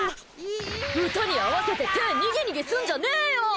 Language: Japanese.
歌に合わせて手にぎにぎすんじゃねえよ！